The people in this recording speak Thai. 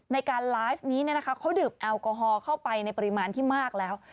ในการไลฟ์นี้เขาดื่มแอลกอฮอล์เข้าไปในปริมาณที่มากแล้ว